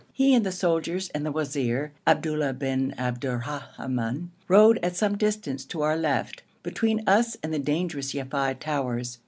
He and the soldiers and the wazir, Abdullah bin Abdurrahman, rode at some distance to our left, between us and the dangerous Yafei towers.